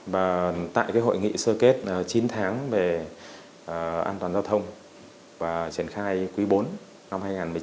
và tại cái hội nghị sơ kết chín tháng về an toàn giao thông và triển khai quý bốn năm hai nghìn một mươi chín